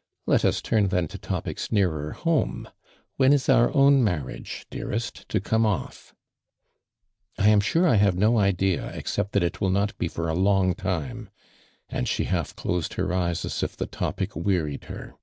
'* l^et us turn then to topics nearer homo ! When is our own marriage, dearest, to come oft?" '» T am sure I havo no idea except that it will not be for a long time !" and she Iijilf closed her eyes as if the topic Wfuricd her.